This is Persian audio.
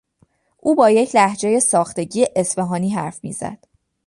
او با یک لهجهی ساختگی اصفهانی حرف میزد.